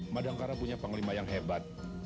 madangkara punya panglima yang hebat